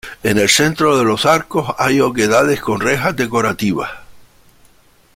En el centro de los arcos hay oquedades con rejas decorativas.